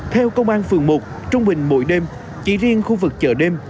theo công an phường một trung bình mỗi đêm chỉ riêng khu vực chợ đêm